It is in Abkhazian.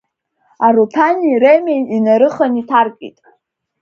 Аруҭани Ремеи инарыхан иҭаркит.